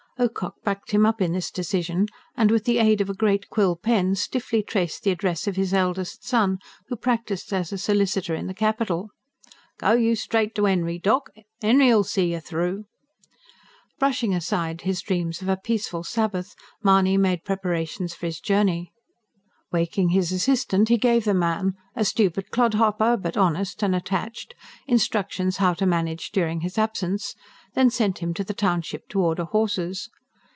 Ocock backed him up in this decision, and with the aid of a great quill pen stiffly traced the address of his eldest son, who practised as a solicitor in the capital. "Go you straight to 'Enry, doc. 'Enry'll see you through." Brushing aside his dreams of a peaceful Sabbath Mahony made preparations for his journey. Waking his assistant, he gave the man a stupid clodhopper, but honest and attached instructions how to manage during his absence, then sent him to the township to order horses.